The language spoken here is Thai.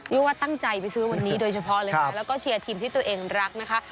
เรียกว่าตั้งใจไปซื้อวันนี้โดยเฉพาะเลยนะแล้วก็เชียร์ทีมที่ตัวเองรักนะคะ